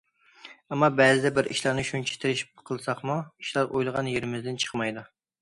ئەمما بەزىدە بىر ئىشلارنى شۇنچە تىرىشىپ قىلساقمۇ، ئىشلار ئويلىغان يېرىمىزدىن چىقمايدۇ.